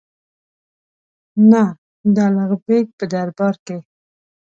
نه د الغ بېګ په دربار کې.